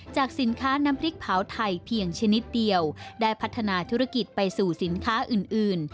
สินค้าน้ำพริกเผาไทยเพียงชนิดเดียวได้พัฒนาธุรกิจไปสู่สินค้าอื่น